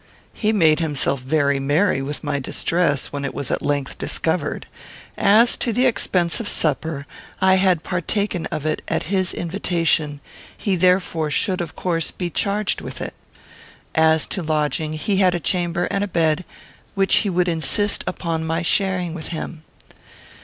He made himself very merry with my distress, when it was at length discovered. As to the expense of supper, I had partaken of it at his invitation; he therefore should of course be charged with it. As to lodging, he had a chamber and a bed, which he would insist upon my sharing with him.